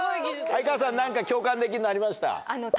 相川さん何か共感できるのありました？